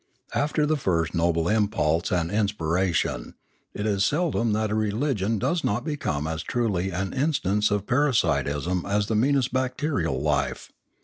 After the first noble impulse and inspira tion, it is seldom that a religion does not become as truly an instance of parasitism as the meanest bacterial life.